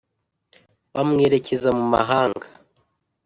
bamwerekeza mu mahanga